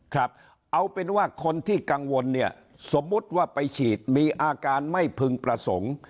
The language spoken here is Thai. ครับเอาเป็นว่าคนที่กังวลเนี่ยสมมุติว่าไปฉีดมีอาการไม่พึงประสงค์